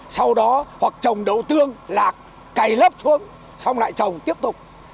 sau đó hoặc trồng đầu tương lạc cày lấp xuống lại trồng tiếp tục